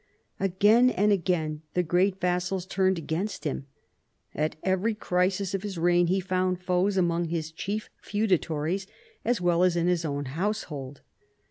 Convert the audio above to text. Again and again the great vassals turned against him. At every crisis of his reign he found foes among his chief feudatories as well as in his own household.